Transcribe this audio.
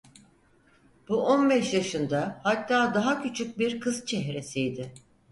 Bu, on beş yaşında, hatta daha küçük bir kız çehresiydi.